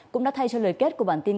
cũng đã thay cho lời kết của bản tin